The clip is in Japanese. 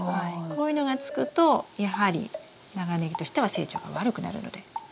こういうのがつくとやはり長ネギとしては成長が悪くなるので。